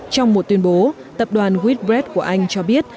trong một tuyên bố tập đoàn whitbred của anh cho biết